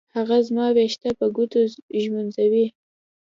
هغه زما ويښته په ګوتو ږمنځوي.